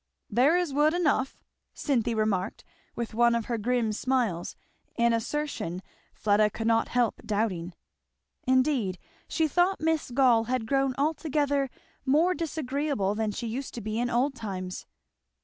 "There is wood enough!" Cynthia remarked with one of her grim smiles; an assertion Fleda could not help doubting. Indeed she thought Miss Gall had grown altogether more disagreeable than she used to be in old times.